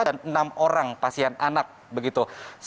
dan enam orang pasien anak begitu